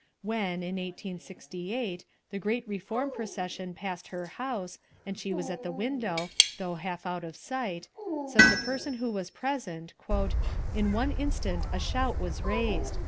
When, in 1868, the great Reform procession passed her house, and she was at the window, though half out of sight, says a person who was present, "in one instant a shout was raised.